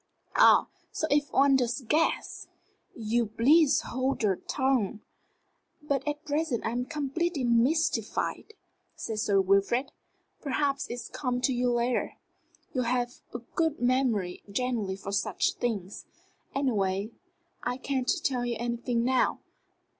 "Ah! So if one does guess " "You'll please hold your tongue." "But at present I'm completely mystified," said Sir Wilfrid. "Perhaps it'll come to you later. You've a good memory generally for such things. Anyway, I can't tell you anything now.